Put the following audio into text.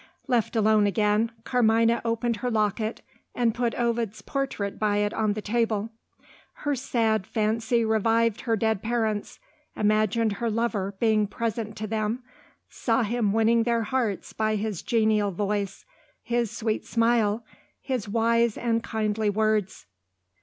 Left alone again, Carmina opened her locket, and put Ovid's portrait by it on the table. Her sad fancy revived her dead parents imagined her lover being presented to them saw him winning their hearts by his genial voice, his sweet smile, his wise and kindly words.